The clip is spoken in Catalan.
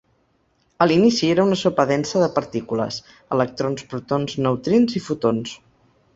A l’inici era una sopa densa de partícules: electrons, protons, neutrins i fotons.